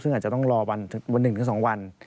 ซึ่งอาจจะต้องรอวัน๑๒วัน